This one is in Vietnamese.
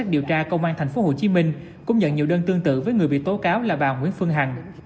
điều tra công an tp hcm cũng nhận nhiều đơn tương tự với người bị tố cáo là bà nguyễn phương hằng